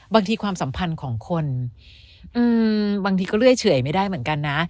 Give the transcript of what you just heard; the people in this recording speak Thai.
ความสัมพันธ์ของคนบางทีก็เรื่อยเฉื่อยไม่ได้เหมือนกันนะ